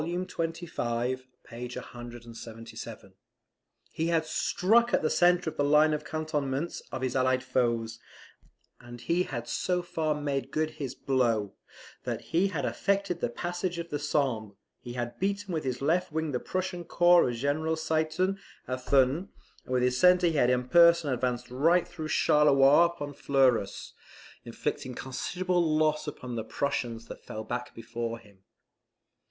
xxv. p. 177.] he had struck at the centre of the line of cantonments of his allied foes; and he had so far made good his blow, that he had affected the passage of the Sambre, he had beaten with his left wing the Prussian corps of General Ziethen at Thuin, and with his centre he had in person advanced right through Charleroi upon Fleurus, inflicting considerable loss upon the Prussians that fell back before him.